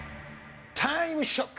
タイムショック！